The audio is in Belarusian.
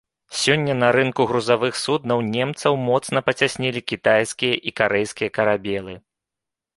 Сёння на рынку грузавых суднаў немцаў моцна пацяснілі кітайскія і карэйскія карабелы.